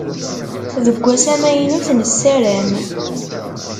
Deg ass amynut nessaram.